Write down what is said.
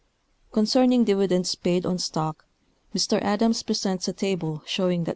Concerning dividends paid on stock, Mr. Adams presents a table showing that 63.